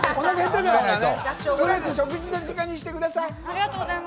とりあえず食事の時間にしてください。